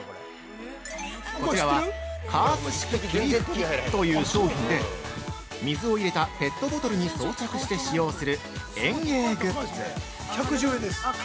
◆こちらは、加圧式霧吹きという商品で水を入れたペットボトルに装着して使用する園芸グッズ。